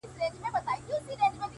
څه مسافره یمه خير دی ته مي ياد يې خو